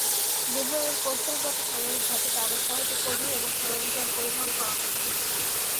লেহ-এর একটি কৌশলগত সামরিক ঘাঁটিতে আরো সহজে কর্মী এবং সরঞ্জাম পরিবহন করা হবে।